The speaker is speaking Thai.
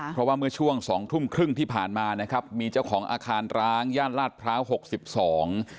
เพราะว่าเมื่อช่วงสองทุ่มครึ่งที่ผ่านมานะครับมีเจ้าของอาคารร้างย่านลาดพร้าวหกสิบสอง